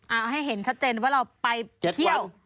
เอาให้เห็นชัดเจนว่าเราไปเที่ยว